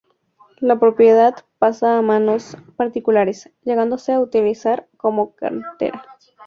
La propiedad pasa a manos particulares, llegándose a utilizar como cantera.